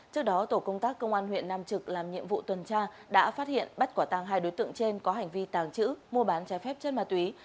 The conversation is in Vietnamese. trước đó tổ công tác công an huyện nam trực làm nhiệm vụ tuần tra đã phát hiện bắt quả tăng hai đối tượng trên có hành vi tàng trữ mua bán trái phép chất ma túy